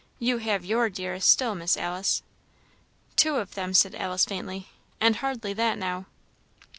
You have your dearest still, Miss Alice." "Two of them," said Alice, faintly, "and hardly that, now."